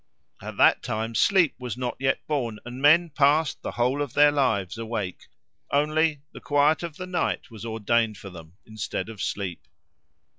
At that time Sleep was not yet born and men passed the whole of their lives awake: only, the quiet of the night was ordained for them, instead of sleep.